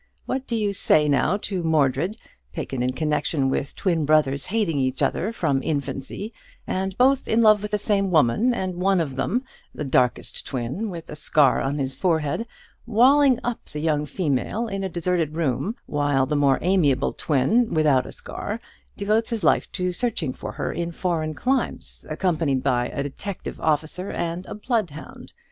What do you say, now, to Mordred, taken in connection with twin brothers hating each other from infancy, and both in love with the same woman, and one of them the darkest twin, with a scar on his forehead walling up the young female in a deserted room, while the more amiable twin without a scar devotes his life to searching for her in foreign climes, accompanied by a detective officer and a bloodhound?